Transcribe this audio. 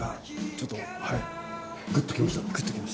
軸がちょっとグッと来ました。